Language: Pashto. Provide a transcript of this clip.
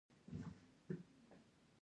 بهر چټکه واوره وه خو موږ خوندي وو